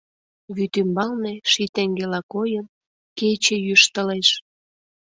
Вӱд ӱмбалне, ший теҥгела койын, кече йӱштылеш.